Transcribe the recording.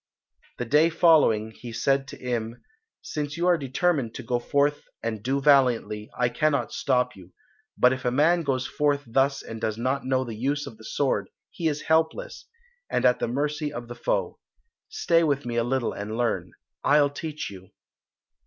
The day following he said to Im, "Since you are determined to go forth and do valiantly, I cannot stop you, but if a man goes forth thus and does not know the use of the sword he is helpless, and at the mercy of the foe. Stay with me a little and learn. I'll teach you."